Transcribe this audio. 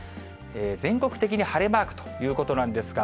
全国的に晴れマークということなんですが、